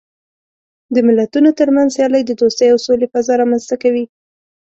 د ملتونو ترمنځ سیالۍ د دوستۍ او سولې فضا رامنځته کوي.